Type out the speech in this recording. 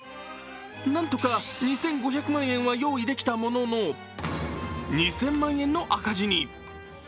何とか２５００万円は用意できたものの、２０００万円の赤字に。